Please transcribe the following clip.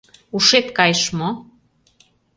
Ушет кайыш мо?..